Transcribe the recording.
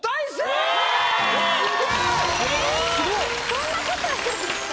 こんなことあるんですか？